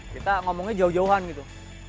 kita ngomongnya jauh jauhan gitu